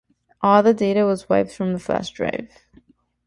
All the data was wiped from the flash drive.